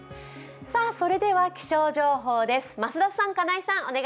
それでは気象情報です。